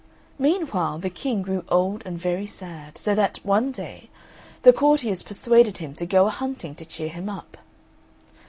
Meanwhile the King grew old and very sad, so that, one day, the courtiers persuaded him to go a hunting to cheer him up.